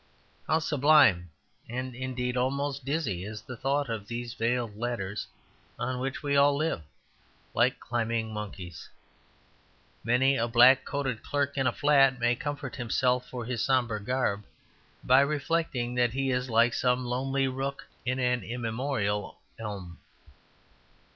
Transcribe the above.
How sublime and, indeed, almost dizzy is the thought of these veiled ladders on which we all live, like climbing monkeys! Many a black coated clerk in a flat may comfort himself for his sombre garb by reflecting that he is like some lonely rook in an immemorial elm.